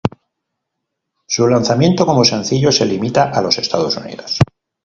Su lanzamiento como sencillo se limita a los Estados Unidos.